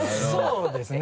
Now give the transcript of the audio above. そうですね。